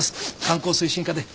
観光推進課で。